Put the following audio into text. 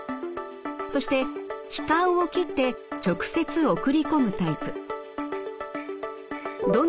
そして気管を切って直接送り込むタイプ。